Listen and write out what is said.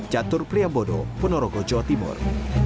jatuh priambodo ponorogo jawa timur